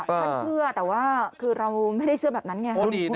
ท่านเชื่อแต่ว่าคือเราไม่ได้เชื่อแบบนั้นไง